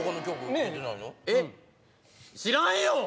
ねええっ知らんよ！